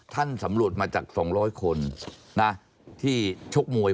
ท่านสำรวจมาจาก๒๐๐คนที่ชกมวย